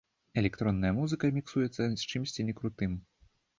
Электронная музыка міксуецца з чымсьці некрутым!